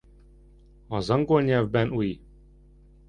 Az angol nyelvben ui.